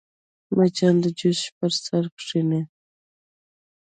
مچان د جوس پر سر کښېني